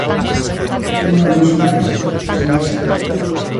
Unha vez máis, sen éxito.